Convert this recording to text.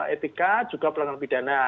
etika juga pelanggaran pidana